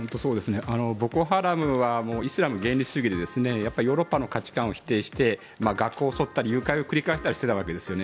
ボコ・ハラムはイスラム原理主義でヨーロッパの価値観を否定して学校を襲ったり誘拐を繰り返したりしていたわけですね。